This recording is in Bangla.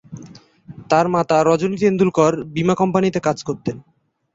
তার মাতা রজনী তেন্ডুলকর বীমা কোম্পানিতে কাজ করতেন।